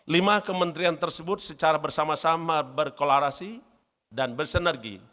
lima kementerian tersebut secara bersama sama berkolarasi dan bersenergi